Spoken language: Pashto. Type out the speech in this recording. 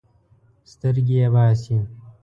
سترګې یې باسي.